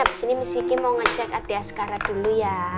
abis ini miss kiki mau ngajak adria sekarang dulu ya